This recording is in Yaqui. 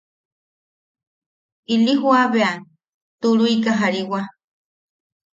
Ili jua bea turuika jariwa.